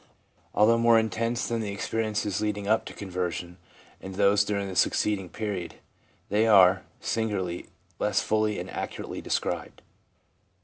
Although more intense than the experiences leading up to conversion, and those during the succeeding period, they are, singularly, less fully and accurately described.